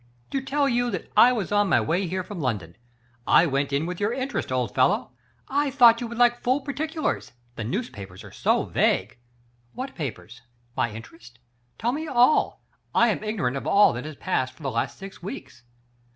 " To tell you that I was on my way here from London. I went in your interest, old fellow. I thought you would like full particulars — the newspapers are so vague." " What papers? My interest ? Tell me all. I am ignorant of all that has passed for the last six weeks."